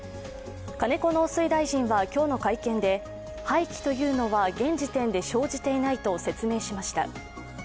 金子農水大臣は今日の会見で、廃棄というのは現時点で生じていないと説明しました。